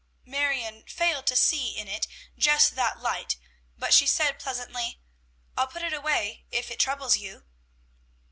Marion failed to see it in just that light, but she said pleasantly, "I'll put it away if it troubles you."